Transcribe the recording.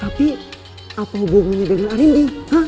tapi apa hubungannya dengan animbi